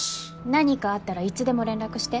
何かあったらいつでも連絡して。